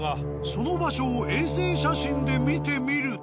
その場所を衛星写真で見てみると。